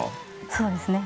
そうですね。